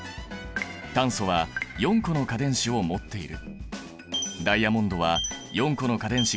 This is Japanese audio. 炭素は４個の価電子を持っている。